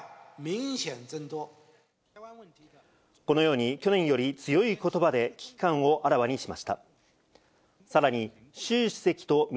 このように、去年より強いことばで危機感をあらわにしました。